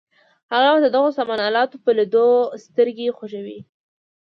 هغه یوازې د دغو سامان الاتو په لیدلو سترګې خوږوي.